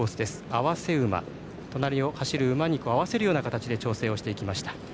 併せ馬、隣を走る馬に合わせるような形で調整を行ってきました。